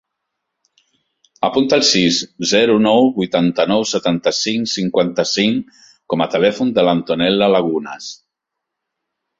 Apunta el sis, zero, nou, vuitanta-nou, setanta-cinc, cinquanta-cinc com a telèfon de l'Antonella Lagunas.